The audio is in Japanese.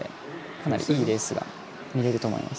かなりいいレースが見られると思います。